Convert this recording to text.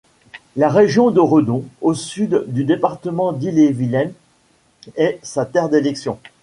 La région de Redon, au sud du département d'Ille-et-Vilaine, est sa terre d'élection.